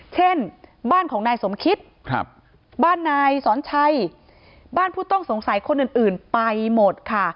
เช่นบ้านของนายสมคิดบ้านนายสอนชัยบ้านผู้ต้องสงสัยคนอื่นไปหมดค่ะ